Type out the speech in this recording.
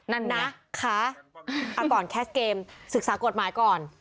นั่นนะคะก่อนแคสเกมศึกษากฎหมายก่อน